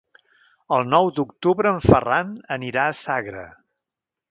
El nou d'octubre en Ferran anirà a Sagra.